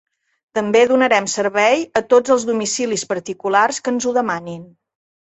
També donarem servei a tots els domicilis particulars que ens ho demanin.